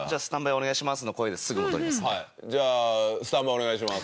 お願いします。